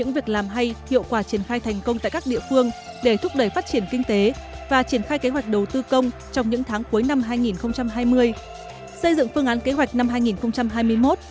và triển khai kế hoạch đầu tư công trong những tháng cuối năm hai nghìn hai mươi xây dựng phương án kế hoạch năm hai nghìn hai mươi một